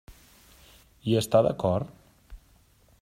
Hi està d'acord?